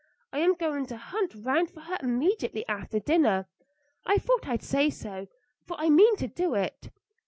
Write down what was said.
I am going to hunt round for her immediately after dinner. I thought I'd say so, for I mean to do it."